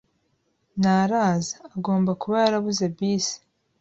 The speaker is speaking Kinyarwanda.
Ntaraza. Agomba kuba yarabuze bisi.